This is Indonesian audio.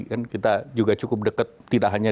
kan kita juga cukup dekat tidak hanya